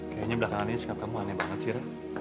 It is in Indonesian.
kayaknya belakangan ini sikap kamu aneh banget sih